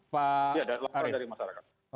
ya dari masyarakat